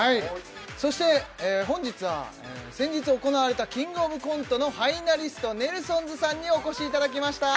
そして本日は先日行われた「キングオブコント」のファイナリストネルソンズさんにお越しいただきました